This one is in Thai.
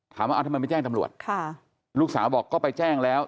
ถามว่าทำไมไม่แจ้งตำรวจค่ะลูกสาวบอกก็ไปแจ้งแล้ว